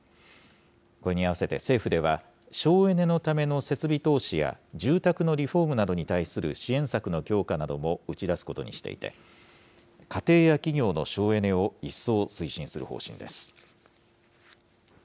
これに合わせて政府では省エネのための設備投資や、住宅のリフォームなどに対する支援策の強化なども打ち出すことにしていて、家庭や企業の省エネを一層推進する方針です。